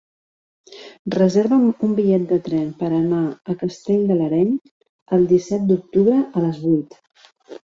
Reserva'm un bitllet de tren per anar a Castell de l'Areny el disset d'octubre a les vuit.